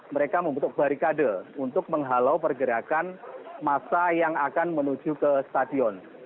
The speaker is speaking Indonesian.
mereka membentuk barikade untuk menghalau pergerakan masa yang akan menuju ke stadion